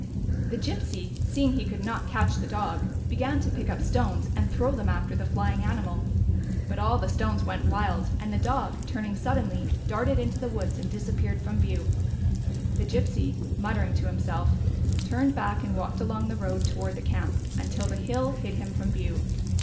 The Gypsy, seeing he could not catch the dog, began to pick up stones, and throw them after the flying animal. But all the stones went wild, and the dog, turning suddenly, darted into the woods and disappeared from view. The Gypsy, muttering to himself, turned back and walked along the road toward the camp until the hill hid him from view.